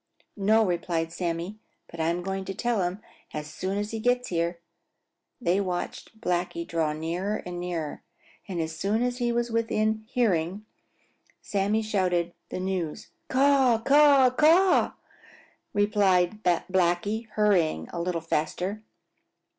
"No," replied Sammy, "but I'm going to tell him as soon as he gets here." They watched Blacky draw nearer and nearer, and as soon as he was within hearing Sammy shouted the news. "Caw, caw, caw," replied Blacky, hurrying a little faster.